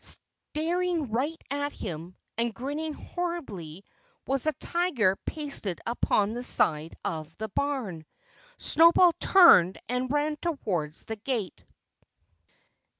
Staring right at him, and grinning horribly, was a tiger pasted upon the side of the barn. Snowball turned and ran towards the gate.